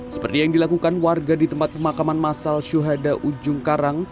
seperti yang dilakukan warga di tempat pemakaman masal syuhada ujung karang